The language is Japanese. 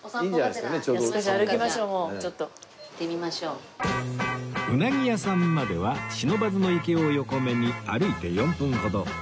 うなぎ屋さんまでは不忍池を横目に歩いて４分ほど